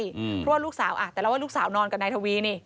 เพราะว่าลูกสาวอ่ะแต่เราว่าลูกสาวนอนกับนายทวีนี่